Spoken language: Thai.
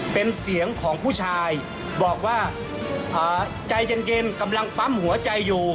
เป็นเสียงของผู้ชายบอกว่าใจเย็นกำลังปั๊มหัวใจอยู่